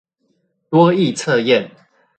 多益測驗